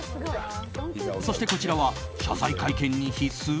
そしてこちらは謝罪会見に必須？